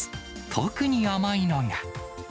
特に甘いのが。